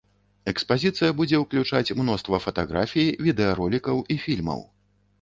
Экспазіцыя будзе ўключаць мноства фатаграфій, відэаролікаў і фільмаў.